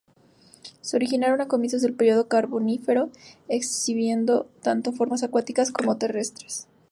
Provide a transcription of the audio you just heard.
Se originaron a comienzos del período Carbonífero, exhibiendo tanto formas acuáticas como terrestres.